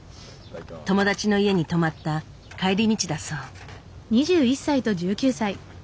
友達の家に泊まった帰り道だそう。